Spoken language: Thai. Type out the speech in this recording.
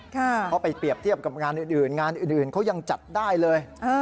เขาไปเปรียบเทียบกับงานอื่นงานอื่นเขายังจัดได้เลย